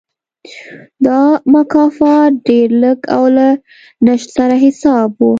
دا مکافات ډېر لږ او له نشت سره حساب و.